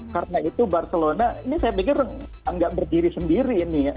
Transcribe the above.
karena itu barcelona ini saya pikir nggak berdiri sendiri ini